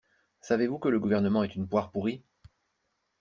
Savez-vous que le gouvernement est une poire pourrie?